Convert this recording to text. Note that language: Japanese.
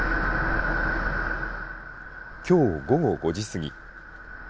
きょう午後５時過ぎ。